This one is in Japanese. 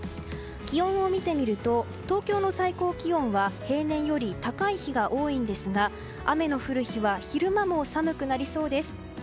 気温を見てみると東京の最高気温は平年より高い日が多いんですが雨の降る日は昼間も寒くなりそうです。